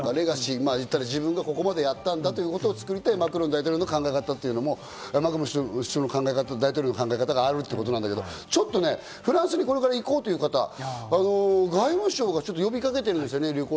自分がここまでやったっていうのを作りたいというマクロンの考えがマクロン大統領の考え方があるってことだけど、フランスにこれから行こうという方、外務省が呼びかけてるんですね。